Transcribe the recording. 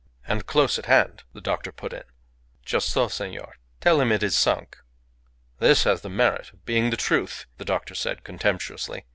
"And close at hand," the doctor put in. "Just so, senor. Tell him it is sunk." "This has the merit of being the truth," the doctor said, contemptuously.